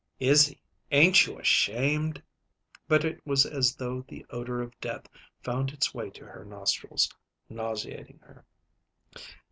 "Izzy, ain't you ashamed?" But it was as though the odor of death found its way to her nostrils, nauseating her.